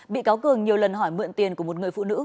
bị cáo cường nhiều lần hỏi mượn tiền của một người phụ nữ